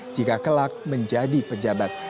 jika kelak menjadi pejabat